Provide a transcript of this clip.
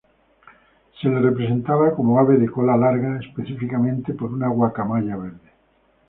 Se le representaba como ave de cola larga, específicamente por una guacamaya verde.